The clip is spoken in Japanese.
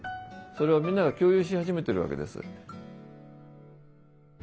それをみんなが共有し始めてるわけです。